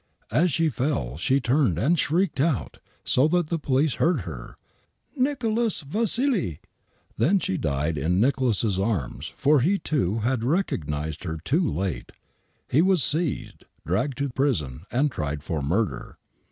As she fell she turned and shrieked out, so that the police heard her: « Nicholas Vassili !" Then she died in Nicholas' arms, for he, too, had recognized her too late. He was seized, dragged to prison, and tried for murder.